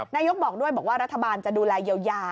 นายกบอกด้วยบอกว่ารัฐบาลจะดูแลเยียวยา